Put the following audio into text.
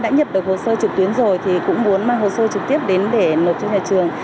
đã nhập được hồ sơ trực tuyến rồi thì cũng muốn mang hồ sơ trực tiếp đến để nộp cho nhà trường